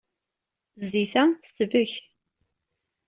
Zzit-a tesbek.